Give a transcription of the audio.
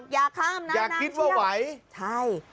อย่าข้ามนะอย่าคิดว่าไหวใช่